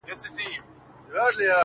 چي په تا یې رنګول زاړه بوټونه-